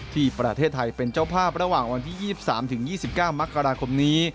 ที่ประเทศไทยเป็นเจ้าภาพระหว่างวันที่๒๓๒๙มกราคมนี้